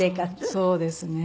そうですね。